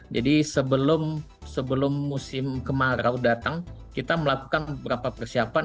jadi sebelum musim kemarau datang kita melakukan beberapa persiapan